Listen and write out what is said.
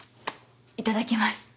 いただきます。